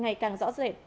ngày càng rõ rệt